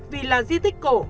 vì là di tích cổ